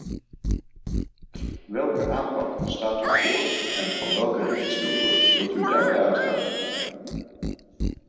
Welke aanpak staat u voor en van welke richtsnoeren wilt u daarbij uitgaan?